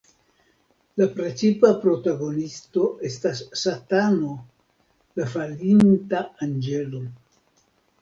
La precipa protagonisto estas Satano, la falinta anĝelo.